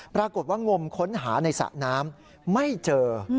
ปรากฏว่างมค้นหาในสระน้ำไม่เจอ